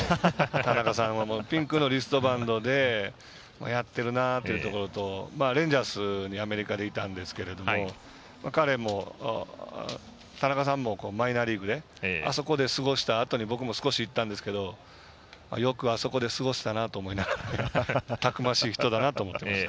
田中さんはピンクのリストバンドでやってるなというところとレンジャーズでアメリカにいたんですけど彼もマイナーリーグであそこで過ごしたあとに僕も少し行ったんですけどよくあそこで過ごしたなと思いながらたくましい人だなと思いました。